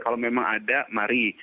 kalau memang ada mari